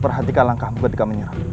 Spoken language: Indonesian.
perhatikan langkahmu ketika menyerang